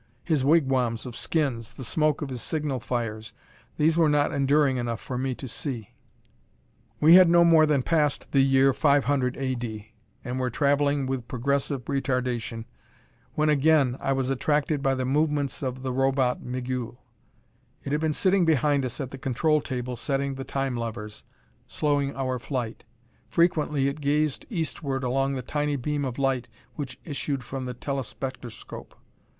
His wigwams of skins, the smoke of his signal fires these were not enduring enough for me to see.... We had no more than passed the year 500 A. D. and were traveling with progressive retardation when again I was attracted by the movements of the Robot, Migul. It had been sitting behind us at the control table setting the Time levers, slowing our flight. Frequently it gazed eastward along the tiny beam of light which issued from the telespectroscope.